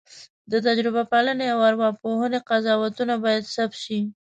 د تجربه پالنې او ارواپوهنې قضاوتونه باید ثبت شي.